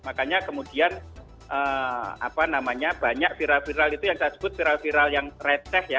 makanya kemudian apa namanya banyak viral viral itu yang saya sebut viral viral yang reteh ya